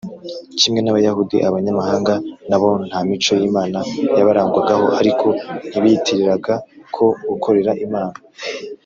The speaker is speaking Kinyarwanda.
kimwe n’abayahudi, abanyamahanga na bo nta mico y’imana yabarangwagaho, ariko ntibiyitiriraga ko gukorera imana